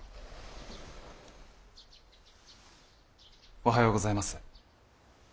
おはようございます。